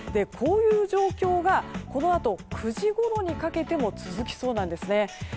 こういう状況がこのあと９時ごろにかけても続きそうなんですね。